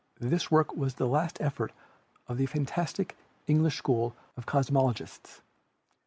This work was the last effort of the fantastic English school of cosmogo nists.